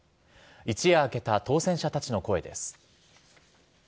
一夜明けた当選者たちの声です。